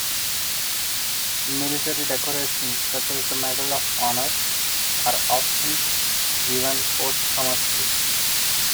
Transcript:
Military decorations, such as the Medal of Honor, are often given posthumously.